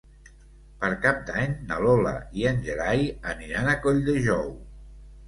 Per Cap d'Any na Lola i en Gerai aniran a Colldejou.